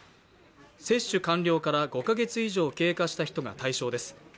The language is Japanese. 接種完了から、５カ月以上経過した人が対象です。